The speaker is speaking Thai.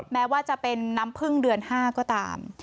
แม้ว่าจะเป็นน้ำพึ่งเดือน๕ก็ตาม